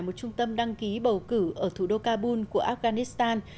một trung tâm đăng ký bầu cử ở thủ đô kabul của afghanistan